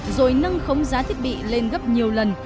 rồi nâng khống giá thiết bị lên gấp nhiều lần